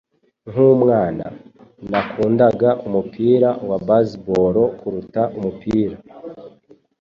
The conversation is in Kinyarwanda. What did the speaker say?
Nkumwana, nakundaga umupira wa baseball kuruta umupira.